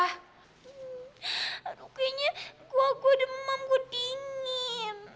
aduh kayaknya gue demam gue dingin